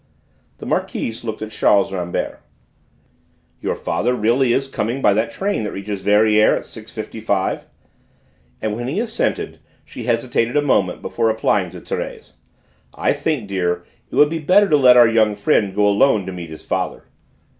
The Marquise looked at Charles Rambert. "Your father really is coming by the train that reaches Verrières at 6.55?" and when he assented she hesitated a moment before replying to Thérèse. "I think, dear, it would be better to let our young friend go alone to meet his father."